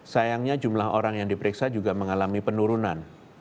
sayangnya jumlah orang yang diperiksa juga mengalami penurunan